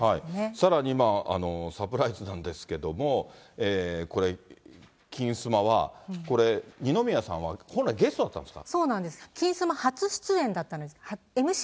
さらにサプライズなんですけども、これ、金スマは、これ、二宮さんは本来ゲストだったんですか。